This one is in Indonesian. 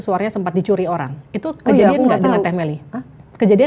keluarga sempat dicuri orang itu kejadian